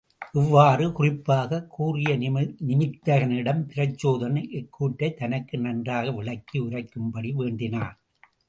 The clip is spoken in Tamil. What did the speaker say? இவ்வாறு குறிப்பாகக் கூறிய நிமித்திகனிடம் பிரசசோதனன் இக்கூற்றைத் தனக்கு நன்றாக விளக்கி உரைக்கும்படி வேண்டினான்.